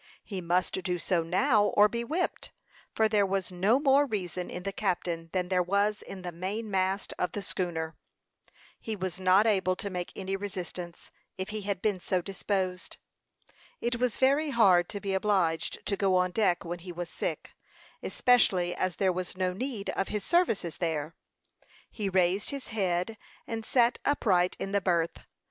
He must do so now or be whipped; for there was no more reason in the captain than there was in the main mast of the schooner. He was not able to make any resistance, if he had been so disposed. It was very hard to be obliged to go on deck when he was sick, especially as there was no need of his services there. He raised his head, and sat upright in the berth.